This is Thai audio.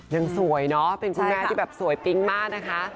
ยังสวยเนอะเป็นคุณแม่ที่แบบสวยปิ๊งมากนะคะ